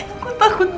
aku takut banget